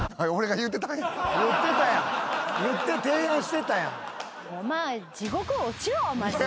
言って提案してたやん。